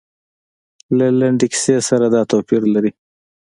له لنډې کیسې سره دا توپیر لري.